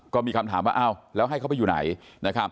ก็มีคำถามว่าเอ้าแล้วให้เขาไปอยู่ไหน